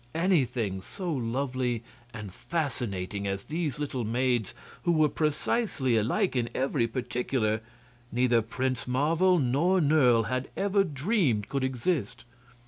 Anything so lovely and fascinating as these little maids, who were precisely alike in every particular, neither Prince Marvel nor Nerle had ever dreamed could exist.